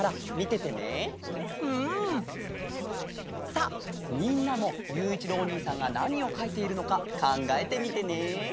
さあみんなもゆういちろうおにいさんがなにをかいているのかかんがえてみてね！